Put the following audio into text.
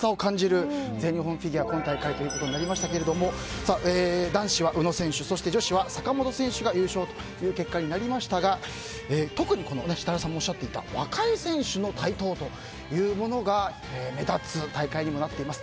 今回の全日本フィギュアとなりましたが男子は宇野選手そして女子は坂本選手が優勝という結果となりましたが特に設楽さんもおっしゃっていた若い選手の台頭というものが目立つ大会にもなっています。